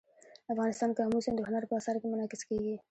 افغانستان کې آمو سیند د هنر په اثار کې منعکس کېږي.